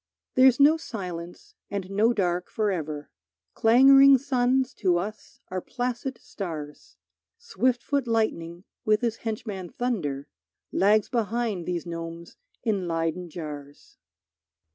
There's no silence and no dark forever, Clangoring suns to us are placid stars; Swift foot lightning with his henchman thunder Lags behind these gnomes in Leyden jars.